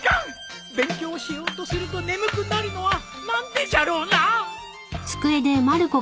勉強しようとすると眠くなるのは何でじゃろうな。